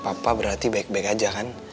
papa berarti baik baik aja kan